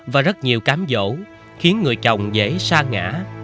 và rất nhiều cám dỗ khiến người chồng dễ sa ngã